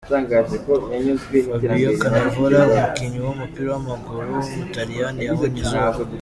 Fabio Cannavaro, umukinnyi w’umupira w’amaguru w’umutaliyani yabonye izuba.